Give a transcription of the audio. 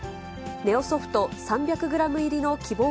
ネオソフト３００グラム入りの希望